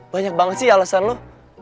banyak banget sih alasan lo